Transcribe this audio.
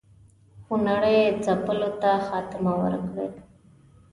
خونړي ځپلو ته خاتمه ورکړي.